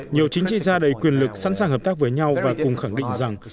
nhiều chính trị gia đầy quyền lực sẵn sàng hợp tác với nhau và cùng khẳng định rằng